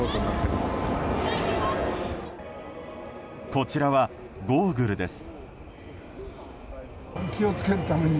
こちらはゴーグルです。